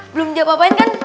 belum diapapain kan